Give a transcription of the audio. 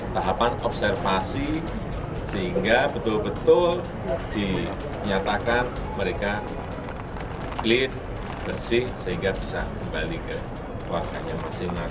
tahapan observasi sehingga betul betul dinyatakan mereka clean bersih sehingga bisa kembali ke keluarganya masing masing